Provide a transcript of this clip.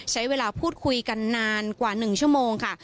ใช้เวลาพูดคุยกันนานกว่า๑ชั่วโมงค่ะ